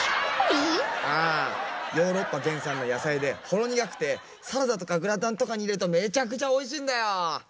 ああヨーロッパげんさんのやさいでほろにがくてサラダとかグラタンとかにいれるとめちゃくちゃおいしいんだよ！